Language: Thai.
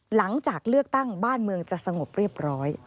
หลังจากเลือกตั้งบ้านเมืองจะสงบเรียบร้อย